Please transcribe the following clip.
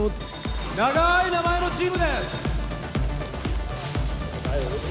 長い名前のチームです